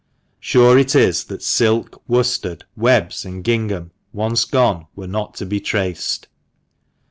Sure it is that silk, worsted, webs, and gingham once gone were not to be traced.